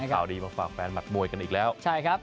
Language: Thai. ข่าวดีมาฝากแฟนหมัดมวยกันอีกแล้วใช่ครับ